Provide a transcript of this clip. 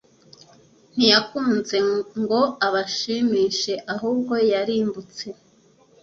Ntiyakuze ngo abashimishe ahubwo yarimbutse